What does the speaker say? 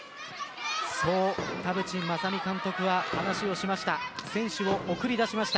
そう、田渕正美監督は話をしました。